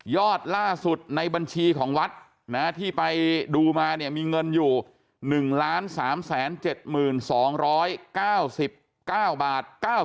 ยอดล่าสุดในบัญชีของวัตถ์ที่ไปดูมามีเงินอยู่๑ล้าน๓๗๒๙๙บาท